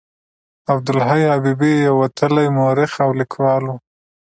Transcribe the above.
عبدالحي حبیبي یو وتلی مورخ او لیکوال و.